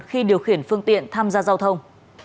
khi điều khiển phương tiện tham gia giao thông